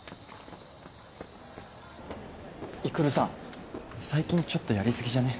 育さ最近ちょっとやりすぎじゃね？